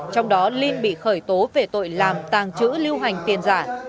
trong đó linh bị khởi tố về tội làm tàng trữ lưu hành tiền giả